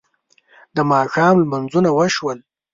د ماښام لمونځونه وشول.